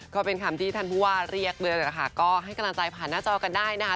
ก็เป็นคำที่ท่านผู้ว่าเรียกด้วยแหละค่ะก็ให้กำลังใจผ่านหน้าจอกันได้นะคะ